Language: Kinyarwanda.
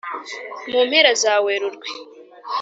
mu mpera za Werurwe,